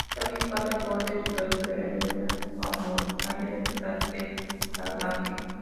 Está unido al borde sureste de la llanura amurallada del cráter Lagrange.